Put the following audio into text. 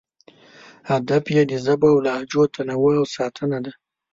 هدف یې د ژبو او لهجو تنوع او ساتنه ده.